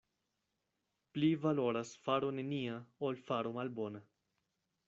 Pli valoras faro nenia, ol faro malbona.